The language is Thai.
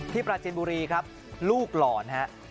ปราจินบุรีครับลูกหลอนฮะ